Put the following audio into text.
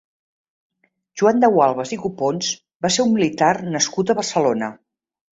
Joan de Gualbes i Copons va ser un militar nascut a Barcelona.